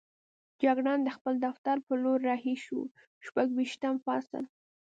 جګړن د خپل دفتر په لور رهي شو، شپږویشتم فصل.